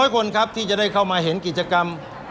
คนครับที่จะได้เข้ามาเห็นกิจกรรม